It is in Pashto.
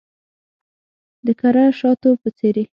د کره شاتو په څیرې